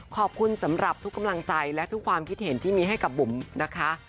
ขอบคุณสำหรับทุกกำลังใจและทุกความคิดเห็นที่มีให้กับบุ๋มนะคะ